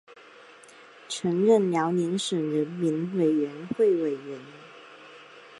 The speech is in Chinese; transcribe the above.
曾任辽宁省人民委员会委员。